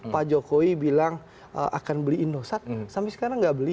pak jokowi bilang akan beli indosat sampai sekarang nggak beli